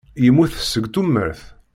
Yemmut seg tumert.